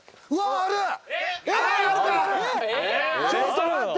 ちょっと待って。